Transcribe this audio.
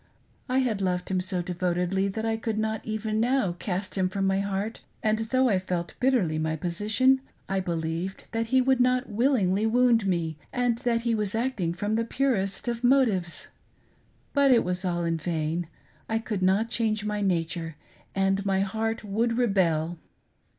I had loved him so devotedly that I could not even now cast him from my heart, and though I felt bitterly my position, I believed that he would not willingly wound me and that he was acting from the purest of motives. But it was all in vain. I could not change my nature, and my heart would rebel.